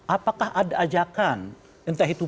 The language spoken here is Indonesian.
apakah ada ajakan entah itu